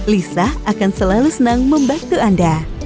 lisa akan selalu senang membantu anda